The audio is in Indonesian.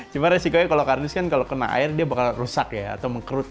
cuma resikonya kalau kardus kan kalau kena air dia bakal rusak ya atau mengkerut